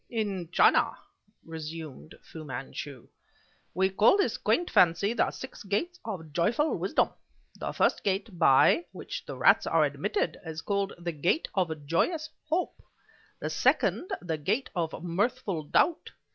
"In China," resumed Fu Manchu, "we call this quaint fancy the Six Gates of joyful Wisdom. The first gate, by which the rats are admitted, is called the Gate of joyous Hope; the second, the Gate of Mirthful Doubt.